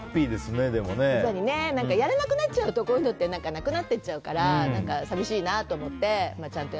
やらなくなっちゃうとこういうのってなくなってっちゃうから寂しいなと思って。